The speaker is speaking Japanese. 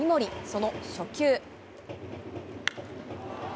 その初球。